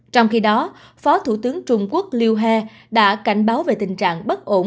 trong khi đó phó thủ tướng trung quốc lưu he đã cảnh báo về tình trạng bất ổn